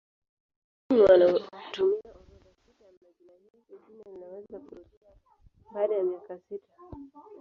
Wataalamu wanatumia orodha sita ya majina hivyo jina linaweza kurudia baada ya miaka sita.